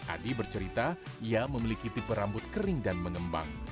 adi bercerita ia memiliki tipe rambut kering dan mengembang